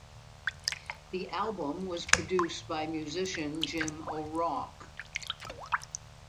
The album was produced by musician Jim O'Rourke.